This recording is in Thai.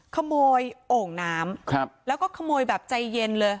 ขโมยโอ่งน้ำครับแล้วก็ขโมยแบบใจเย็นเลย